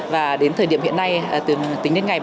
và đến thời điểm hiện nay tính đến ngày ba mươi